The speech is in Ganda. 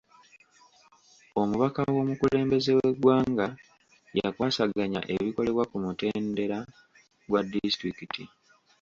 Omubaka w'omukulembeze w'egwanga yakwasaganya ebikolebwa ku mutendera gwa disitulikiti.